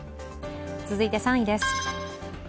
続いて３位です